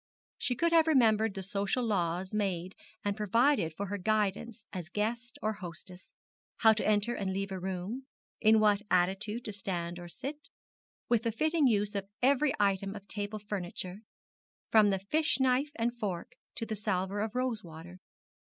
She could have remembered the social laws made and provided for her guidance as guest or hostess how to enter and leave a room, in what attitude to stand or sit, with the fitting use of every item of table furniture, from the fish knife and fork to the salver of rose water.